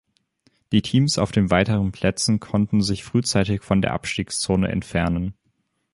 Die Teams auf den weiteren Plätzen konnten sich frühzeitig von der Abstiegszone entfernen.